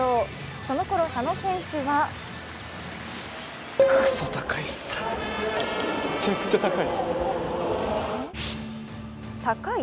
そのころ、佐野選手は高い？